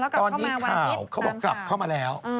ตอนนี้ข่าวเขาบอกกลับเข้ามาแล้ว